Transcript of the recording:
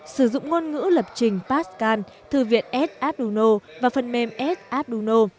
sử dụng ngôn ngữ lập trình pascal thư viện s arduino và phần mềm s arduino